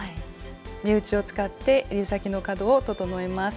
目打ちを使ってえり先の角を整えます。